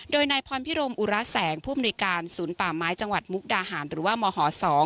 โดยนายพรพิรมอุระแสงผู้มนุยการศูนย์ป่าไม้จังหวัดมุกดาหารหรือว่ามห๒